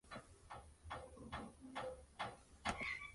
Changchun se encuentra en la porción media de la llanura del noreste de China.